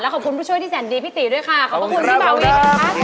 และขอบคุณผู้ช่วยที่แจ่งดีพี่ตีด้วยค่ะขอบคุณพี่บาวี